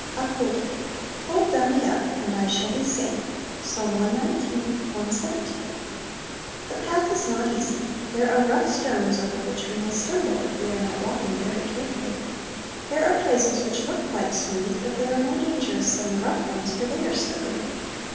Upholding. "Hold Thou me up, and I shall be safe." Ps. cxix. 117. The path is not easy. There are rough stones over which we may stumble, if we are not walking very carefully. There are places which look quite smooth, but they are more dangerous than the rough ones, for they are slippery.